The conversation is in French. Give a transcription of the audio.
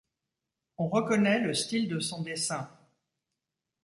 On reconnaît le style de son dessin.